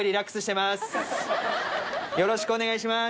よろしくお願いします。